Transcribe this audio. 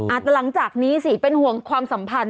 หลังจากนี้สิเป็นห่วงความสัมพันธ์